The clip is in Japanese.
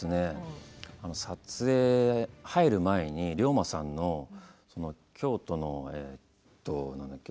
撮影入る前に、龍馬さんの京都の何だっけ？